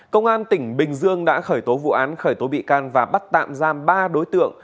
công an tỉnh bình dương đã khởi tố vụ án khởi tố bị can và bắt tạm giam ba đối tượng